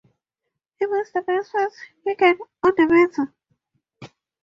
He puts the best face he can on the matter.